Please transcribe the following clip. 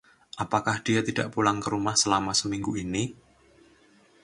Apakah dia tidak pulang ke rumah selama seminggu ini..?